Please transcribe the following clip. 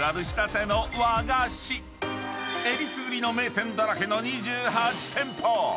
［えりすぐりの名店だらけの２８店舗］